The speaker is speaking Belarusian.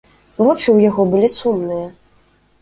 Вочы ў яго былі сумныя.